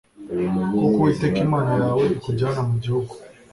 Kuko Uwiteka Imana yawe ikujyana mu gihugu